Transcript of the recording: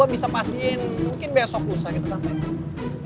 ya gua bisa pastiin mungkin besok bisa kita sampai